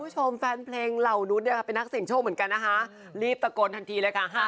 ชอบมากเลยค่ะ